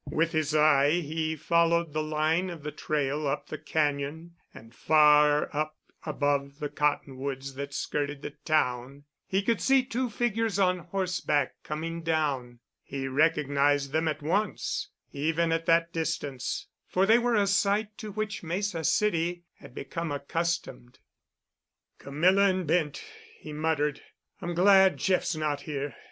With his eye he followed the line of the trail up the cañon, and far up above the cottonwoods that skirted the town he could see two figures on horseback coming down. He recognized them at once, even at that distance, for they were a sight to which Mesa City had become accustomed. "Camilla and Bent," he muttered. "I'm glad Jeff's not here.